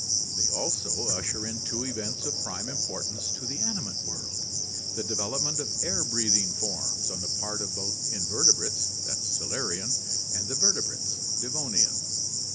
They also usher in two events of prime importance to the animate world, the de velopment of air breathing forms on the part of both invertebrates (Silurian) and the vertebrates (Devonian).